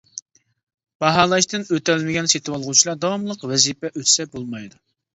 باھالاشتىن ئۆتەلمىگەن سېتىۋالغۇچىلار داۋاملىق ۋەزىپە ئۆتىسە بولمايدۇ.